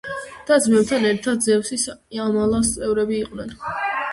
და-ძმებთან ერთად ზევსის ამალის წევრები იყვნენ.